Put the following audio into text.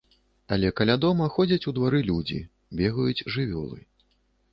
Але каля дома ходзяць у двары людзі, бегаюць жывёлы.